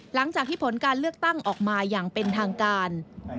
หลังจากที่ผลการเลือกตั้งออกมาอย่างเป็นทางการ